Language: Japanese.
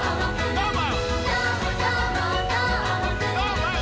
どーも！